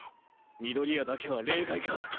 緑谷だけは例外か！？